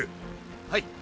はい。